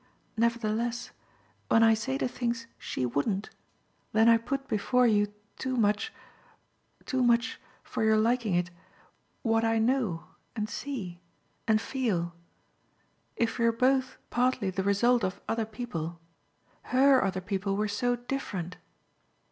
Nevertheless when I say the things she wouldn't, then I put before you too much too much for your liking it what I know and see and feel. If we're both partly the result of other people, HER other people were so different."